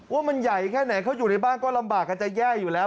ว่ามันใหญ่แค่ไหนเขาอยู่ในบ้านก็ลำบากกันจะแย่อยู่แล้ว